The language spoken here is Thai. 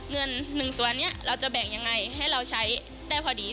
เงิน๑ส่วนนี้เราจะแบ่งยังไงให้เราใช้ได้พอดี